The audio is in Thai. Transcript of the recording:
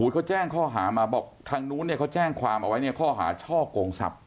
ก็แจ้งข้อหามาทางโน้นเขาแจ้งข้อหาเช่ากงศัพท์